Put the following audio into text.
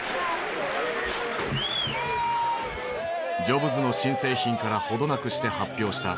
ジョブズの新製品から程なくして発表した